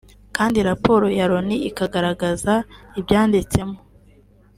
kandi raporo ya Loni ikagaragaza ibyanditsemo